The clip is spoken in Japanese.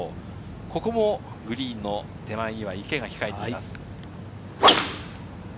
ここもグリーンの手前に池が控えています。